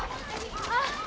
あっ。